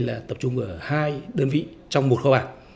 là tập trung ở hai đơn vị trong một khóa bản